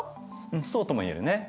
うんそうとも言えるね。